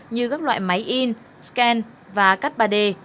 như các loại máy in scan và cắt ba d